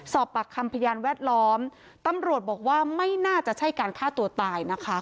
สอบปากคำพยานแวดล้อมตำรวจบอกว่าไม่น่าจะใช่การฆ่าตัวตายนะคะ